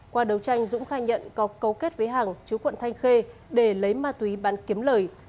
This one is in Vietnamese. qua đấu tranh dũng khai nhận có cấu kết với hàng chú quận thanh khê để lấy ma túy bán kiếm lời